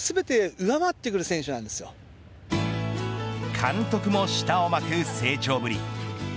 監督も舌を巻く成長ぶり。